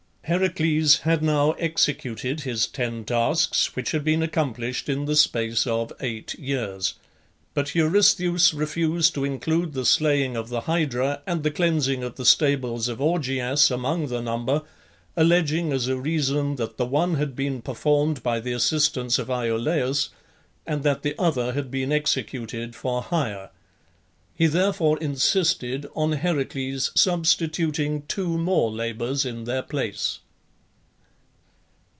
Heracles had now executed his ten tasks, which had been accomplished in the space of eight years; but Eurystheus refused to include the slaying of the Hydra and the cleansing of the stables of Augeas among the number, alleging as a reason that the one had been performed by the assistance of Iolaus, and that the other had been executed for hire. He therefore insisted on Heracles substituting two more labours in their place.